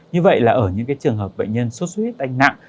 như vậy là ở những trường hợp bệnh nhân suất huyết đanh nặng